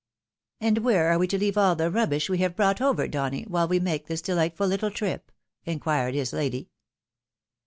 " And where are we to leave all the rubbish we have brought over, Donny, while we make this delightful little trip ?" inquired his lady.